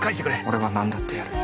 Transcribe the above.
俺は何だってやる